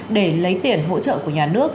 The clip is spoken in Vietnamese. để lấy tiền hỗ trợ của nhà nước